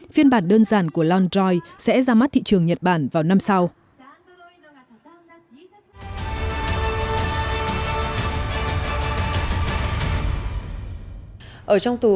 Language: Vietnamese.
phiên bản đơn giản của l androi sẽ ra mắt thị trường nhật bản vào năm sau